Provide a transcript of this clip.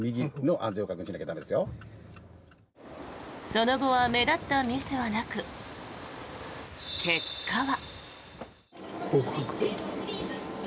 その後は目立ったミスはなく結果は。